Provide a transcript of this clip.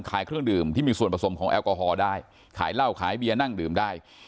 เครื่องดื่มที่มีส่วนผสมของแอลกอฮอล์ได้ขายเหล้าขายเบียร์นั่งดื่มได้